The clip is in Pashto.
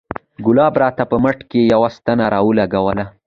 ګلاب راته په مټ کښې يوه ستن راولګوله.